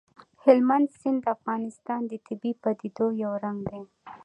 هلمند سیند د افغانستان د طبیعي پدیدو یو رنګ دی.